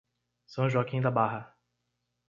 São Joaquim da Barra